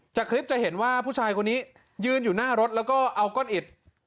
จากคลิปจะเห็นว่าผู้ชายคนนี้ยืนอยู่หน้ารถแล้วก็เอาก้อนอิด